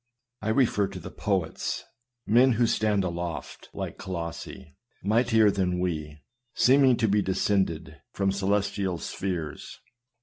I refer to the poets, men who stand aloft like Colossi, mightier than we, seeming to be descended from celestial spheres.